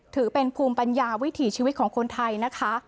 ถือเป็นภูมิปัญญาวิถีชีวิตของคนไทยนะคะ